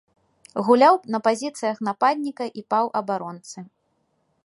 Гуляў на пазіцыях нападніка і паўабаронцы.